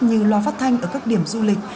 như lo phát thanh ở các điểm du lịch